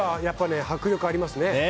やっぱり迫力がありますね。